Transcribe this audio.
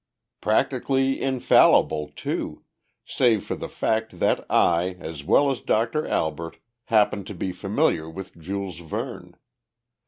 "Practically infallible, too, save for the fact that I, as well as Doctor Albert, happened to be familiar with Jules Verne.